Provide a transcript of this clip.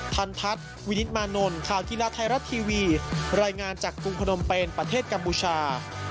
ข่าวกีฬาไทยรัดทีวีรายงานจากกรุงพนมเป็นประเทศกัมพูชา